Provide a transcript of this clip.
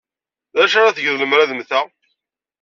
D acu ara tgeḍ lemmer ad mmteɣ?